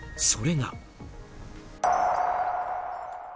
それが。